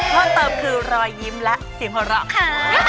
เพิ่มเติมคือรอยยิ้มและเสียงหัวเราะค่ะ